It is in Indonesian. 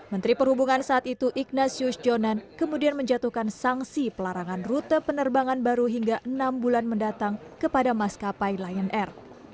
menteri perhubungan saat itu ignatius jonan kemudian menjatuhkan sanksi pelarangan rute penerbangan baru hingga enam bulan mendatang kepada maskapai lion air